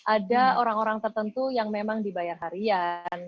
ada orang orang tertentu yang memang dibayar harian